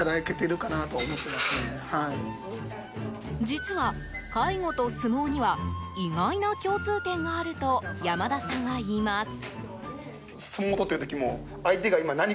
実は介護と相撲には意外な共通点があると山田さんは言います。